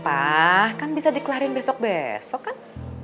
wah kan bisa dikelarin besok besok kan